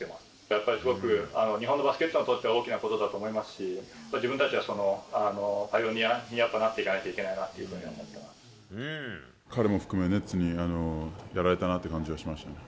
やっぱりすごく日本のバスケットにとっては大きなことだと思いますし、自分たちがパイオニアにやっぱ、なっていかないといけない彼も含め、ネッツにやられたなという感じがしましたね。